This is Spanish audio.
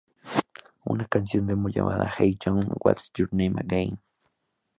Una canción demo llamada "Hey John, What's Your Name Again?